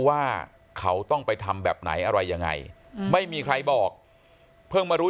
ว่าเขาต้องไปทำแบบไหนอะไรยังไงไม่มีใครบอกเพิ่งมารู้